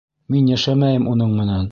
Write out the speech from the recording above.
Мин йәшәмәйем уның менән!